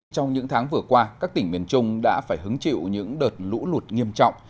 trong những tháng vừa qua các tỉnh miền trung đã phải hứng chịu những đợt lũ lụt nghiêm trọng